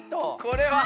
これは。